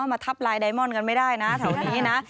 มาทับลายไดมอนด์กันไม่ได้นะแถวนี้นะ